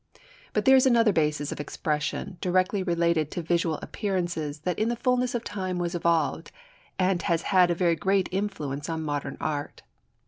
But there is another basis of expression directly related to visual appearances that in the fulness of time was evolved, and has had a very great influence on modern art.